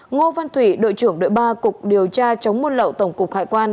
ngô văn thủy đội trưởng đội ba cục điều tra chống buôn lậu tổng cục hải quan